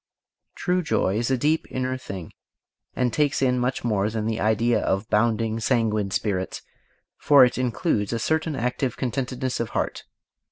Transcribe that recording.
True, joy is a deep, inner thing and takes in much more than the idea of bounding, sanguine spirits, for it includes a certain active contentedness of heart.